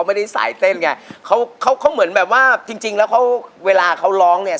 ไม่ได้สายเต้นไงเขาเขาเหมือนแบบว่าจริงจริงแล้วเขาเวลาเขาร้องเนี่ย